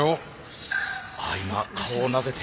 今顔をなでて。